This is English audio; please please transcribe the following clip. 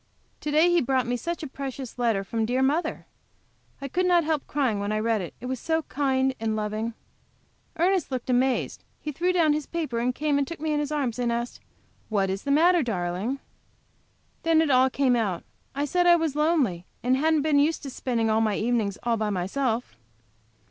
To day he brought me such a precious letter from dear mother! I could not help crying when I read it, it was so kind and so loving. Ernest looked amazed; he threw down his paper, came and took me in his arms and asked, "What is the matter, darling?" Then it all came out. I said I was lonely, and hadn't been used to spending my evenings all by myself.